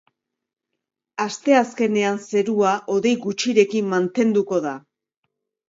Asteazkenean zerua hodei gutxirekin mantenduko da.